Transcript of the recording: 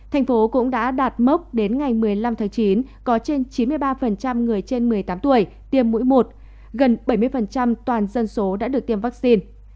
thành phố cũng đã đạt mốc đến ngày một mươi năm tháng chín có trên chín mươi ba người trên một mươi tám tuổi tiêm mũi một gần bảy mươi toàn dân số đã được tiêm vaccine